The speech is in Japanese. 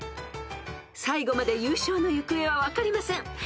［最後まで優勝の行方は分かりません］